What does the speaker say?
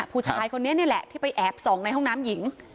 ผู้ชายคนนี้นี่แหละที่ไปแอบส่องในห้องน้ำหญิง